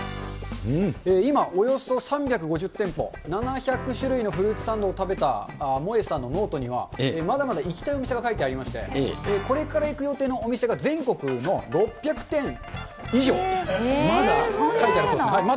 今、およそ３５０店舗、７００種類のフルーツサンドを食べたモエさんのノートには、まだまだ行きたいお店が書いてありまして、これから行く予定のお店が全国の６００店以上、まだ書いてあるそうです。